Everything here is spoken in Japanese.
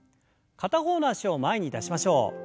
片方の脚を前に出しましょう。